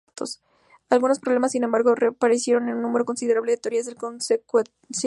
Algunos problemas, sin embargo, reaparecen en un número considerable de teorías del consecuencialismo.